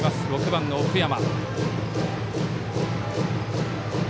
６番の奥山。